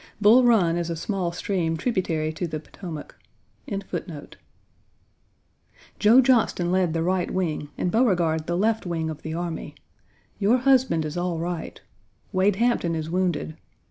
Bull Run is a small stream tributary to the Potomac. Page 87 wing, and Beauregard the left wing of the army. Your husband is all right. Wade Hampton is wounded.